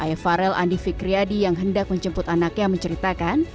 ayah farel andi fikriadi yang hendak menjemput anaknya menceritakan